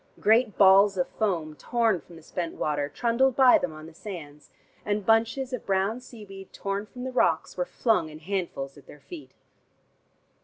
Great balls of foam torn from the spent water trundled by them on the sands, and bunches of brown seaweed torn from the rocks were flung in handfuls at their feet.